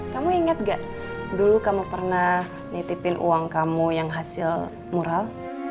kamu inget gak dulu kamu pernah nitipin uang kamu yang hasil mural